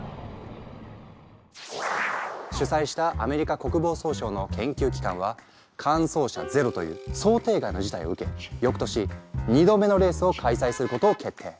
主催したアメリカ国防総省の研究機関は完走車ゼロという想定外の事態を受けよくとし２度目のレースを開催することを決定。